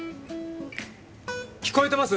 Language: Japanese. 聞こえてます？